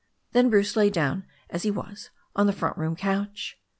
Then Bruce lay down as he was on the front room couch.